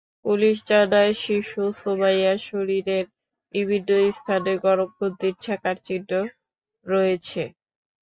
Police জানায়, শিশু সুমাইয়ার শরীরের বিভিন্ন স্থানে গরম খুন্তির ছ্যাঁকার চিহ্ন রয়েছে।